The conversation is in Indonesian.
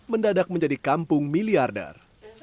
mendadak menjadi kampung miliarder